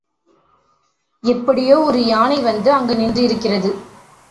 எப்படியோ ஒரு யானை வந்து அங்கு நின்றிருக்கிறது.